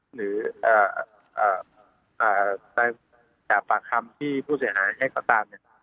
หรือปากคำที่ผู้เสียหายให้เขาตามเนี่ย